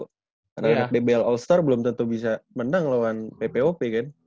karena dbl all star belum tentu bisa menang lawan ppop kan